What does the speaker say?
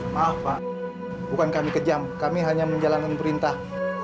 maaf pak bukan kami kejam kami hanya menjalankan perintah